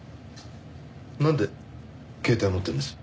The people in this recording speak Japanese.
なんで携帯持ってるんです？